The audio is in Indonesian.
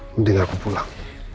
mending aku pulang